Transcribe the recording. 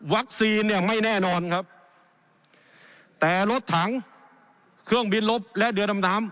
วัคซีนเนี่ยไม่แน่นอนครับแต่รถถังเครื่องบินรถและเดือดตามตาม